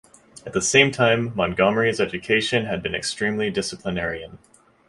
At the same time, Montgomery's education had been extremely disciplinarian.